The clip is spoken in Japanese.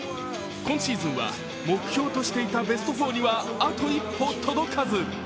今シーズンは目標としていたベスト４にはあと一歩届かず。